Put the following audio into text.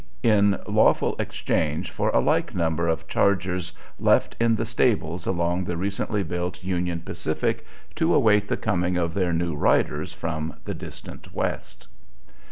in lawful exchange for a like number of chargers left in the stables along the recently built Union Pacific to await the coming of their new riders from the distant West.